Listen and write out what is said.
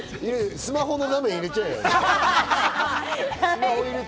スマホの画面、入れちゃえ。